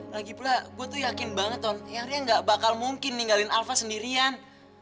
lagi pula gue tuh yakin banget ton eyang ria gak bakal mungkin ninggalin alva sendirian